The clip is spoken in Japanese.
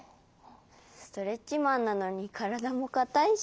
ストレッチマンなのにからだもかたいし。